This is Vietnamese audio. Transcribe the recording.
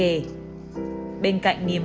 bên cạnh niềm háo hức chờ đón năm mới